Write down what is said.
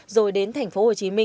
rồi đến tp hcm